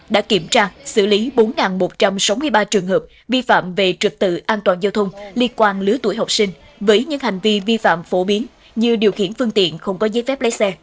đã kiểm tra xử lý bốn một trăm sáu mươi ba trường hợp vi phạm về trực tự an toàn giao thông liên quan lứa tuổi học sinh với những hành vi vi phạm phổ biến như điều khiển phương tiện không có giấy phép lấy xe